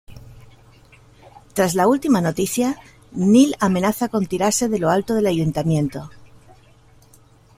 Tras la última noticia, Neil amenaza con tirarse de lo alto del ayuntamiento.